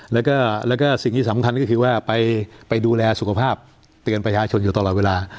แล้วก็สิ่งที่สำคัญก็คือว่าไปดูแลสุขภาพเตือนประชาชนอยู่ตลอดเวลา